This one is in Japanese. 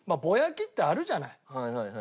ぼやきってあるじゃない。